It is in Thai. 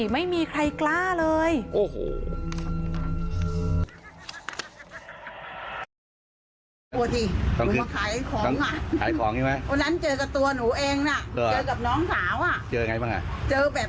ไม่มีใครกล้าเลยโอ้โห